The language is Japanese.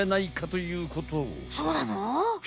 そうなの？